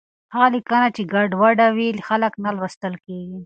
هغه لیکنه چې ګډوډه وي، خلک نه لوستل کېږي.